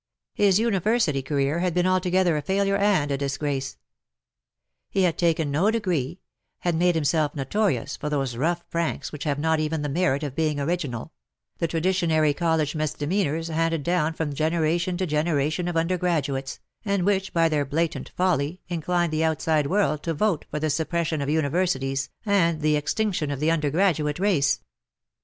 His University career had been altogether a failure and a disgrace. He had taken no degree — had made himself notorious for those rough pranks which have not even the merit of being original — the traditionary college misdemeanours handed down from genera tion to generation of undergraduates, and which by their blatant folly incline the outside world to vote for the suppression of Universities and the extinc tion of the undergraduate race.